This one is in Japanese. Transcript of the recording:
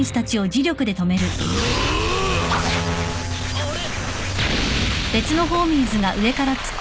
あれ？